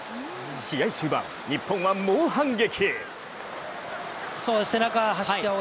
試合終盤、日本は猛反撃！